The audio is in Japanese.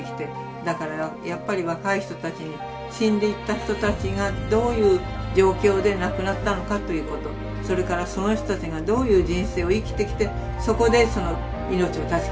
だからやっぱり若い人たちに死んでいった人たちがどういう状況で亡くなったのかということそれからその人たちがどういう人生を生きてきてそこで命を断ち切られたかということを。